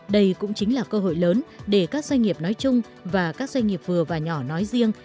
đây cũng chính là cơ hội lớn để các doanh nghiệp nói chung và các doanh nghiệp vừa và nhỏ nói riêng